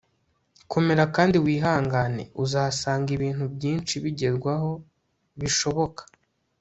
komera kandi wihangane, uzasanga ibintu byinshi bigerwaho, bishoboka